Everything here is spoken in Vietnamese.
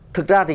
thực ra thì